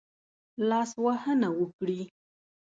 لاسوهنه وکړي.